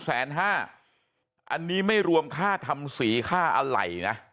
อันนี้ไม่รวมค่าทำสีค่าอะไรนะ